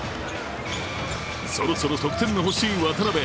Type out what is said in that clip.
そろそろ得点の欲しい渡邊